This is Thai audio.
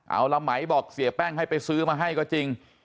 เอาละไหมบอกเสียแป้งให้ไปซื้อมาให้ก็จริง